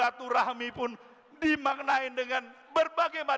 aduhanlah tuh berharga